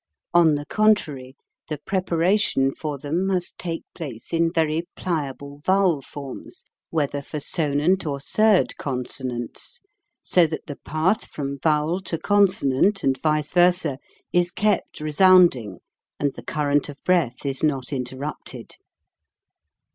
On the contrary, the preparation for them must take place in very pliable vowel forms whether for sonant or surd consonants, so that the path from vowel to consonant and vice versa is kept resounding and the current of breath is not interrupted.